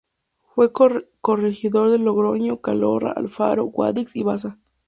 Fue corregidor de Logroño, Calahorra, Alfaro, Guadix y Baza.